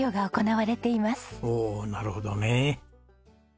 おおなるほどね。